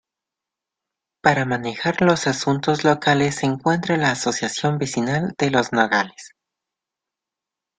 Para manejar los asuntos locales se encuentra la Asociación Vecinal de Los Nogales.